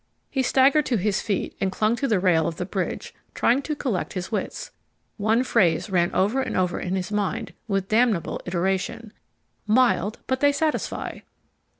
He staggered to his feet and clung to the rail of the bridge, trying to collect his wits. One phrase ran over and over in his mind with damnable iteration "Mild, but they satisfy!"